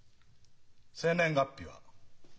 生年月日は？